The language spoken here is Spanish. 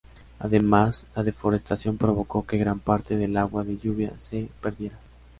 Además, la deforestación provocó que gran parte del agua de lluvia se perdiera.